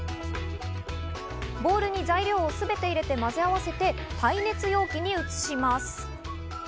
ボウルに材料をすべて入れて混ぜ合わせて、耐熱容器に移します。